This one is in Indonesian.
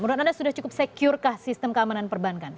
menurut anda sudah cukup secure kah sistem keamanan perbankan